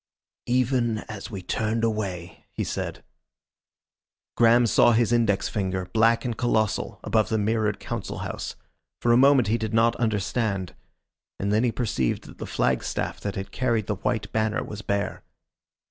"Even as we turned away," he said. Graham saw his index finger, black and colossal, above the mirrored Council House. For a moment he did not understand. And then he perceived that the flagstaff that had carried the white banner was bare.